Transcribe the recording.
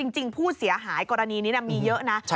จริงผู้เสียหายกรณีนี้มีเยอะนะ